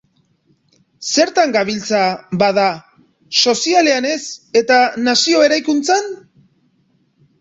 Zertan gabiltza, bada, sozialean ez eta nazio eraikuntzan?